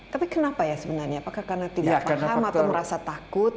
tapi kenapa ya sebenarnya apakah karena tidak paham atau merasa takut